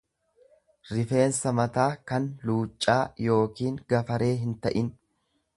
rifeensa mataa kan luuccaa yookiin gafaree hinta'in.